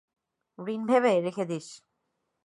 ঋণ ভেবে রেখে দিস।